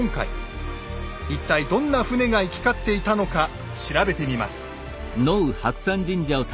一体どんな船が行き交っていたのか調べてみます。